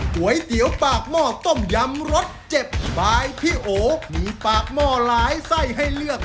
ก๋วยเตี๋ยวปากหม้อต้มยำรสเจ็บบายพี่โอมีปากหม้อหลายไส้ให้เลือก